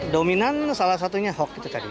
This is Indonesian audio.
dominan salah satunya hoax itu tadi